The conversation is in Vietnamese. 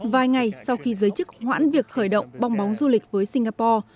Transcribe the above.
vài ngày sau khi giới chức hoãn việc khởi động bong bóng du lịch với singapore